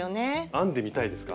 編んでみたいですか？